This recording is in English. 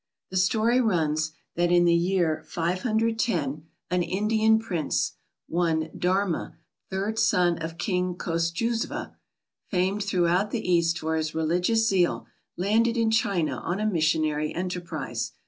The story runs, that in the year 510, an Indian prince one Darma, third son of King Kosjusva famed throughout the East for his religious zeal, landed in China on a Missionary enterprise.